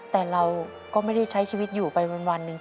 แต่เราก็ไม่ได้ใช้ชีวิตอยู่ไปวันหนึ่ง